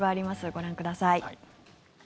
ご覧ください。